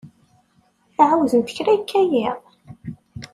Tɛawzemt kra yekka yiḍ?